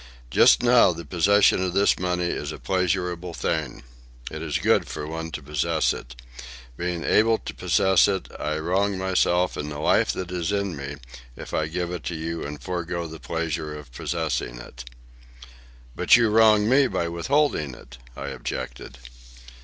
Just now the possession of this money is a pleasurable thing. It is good for one to possess it. Being able to possess it, I wrong myself and the life that is in me if I give it to you and forego the pleasure of possessing it." "But you wrong me by withholding it," I objected.